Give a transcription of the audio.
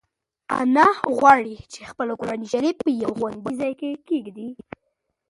انا غواړي چې خپل قرانشریف په یو خوندي ځای کې کېږدي.